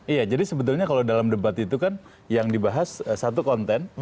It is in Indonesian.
iya jadi sebetulnya kalau dalam debat itu kan yang dibahas satu konten